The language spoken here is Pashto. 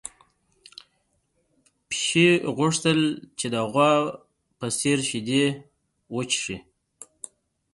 پيشو غوښتل چې د غوا په څېر شیدې وڅښي.